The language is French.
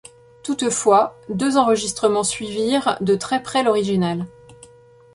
Toutefois, deux enregistrements suivirent de très près l'original.